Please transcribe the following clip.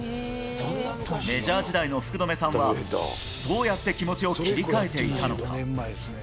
メジャー時代の福留さんは、どうやって気持ちを切り替えていたのか。